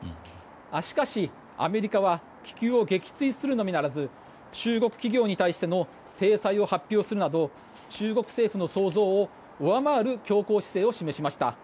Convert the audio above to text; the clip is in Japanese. しかし、アメリカは気球を撃墜するのみならず中国企業に対しての制裁を発表するなど中国政府の想像を上回る強硬姿勢を見せました。